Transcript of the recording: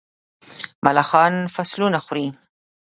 ملخان فصلونه خوري.